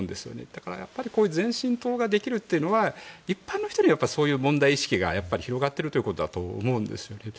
だからやっぱり前進党ができるというのは一般の人にはそういう問題意識が広がってるってことだと思うんですよね。